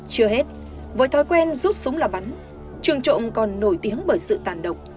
chưa hết với thói quen rút súng làm bắn trường trộm còn nổi tiếng bởi sự tàn độc